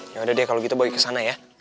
ya udah deh kalau gitu balik ke sana ya